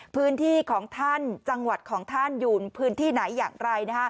พื้นที่ของท่านจังหวัดของท่านอยู่พื้นที่ไหนอย่างไร